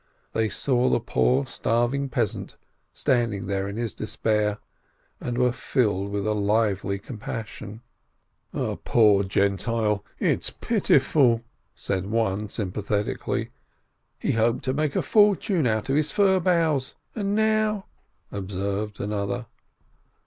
They saw the poor, starving peasant standing there in his despair, and were filled with a lively compassion. "A poor Gentile — it's pitiful !" said one, sympathetic ally. "He hoped to make a fortune out of his fir boughs, and now !" observed another.